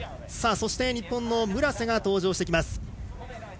そして、日本の村瀬が登場。